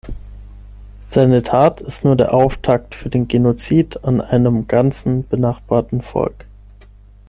Seine Tat ist nur der Auftakt für den Genozid an einem ganzen benachbarten Volk.